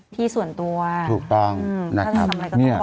ที่ส่วนตัวถูกต้องนะครับอืมถ้าได้ทำอะไรก็ต้องบอกว่า